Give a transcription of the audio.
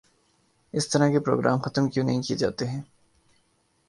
اس طرح کے پروگرام ختم کیوں نہیں کیے جاتے ہیں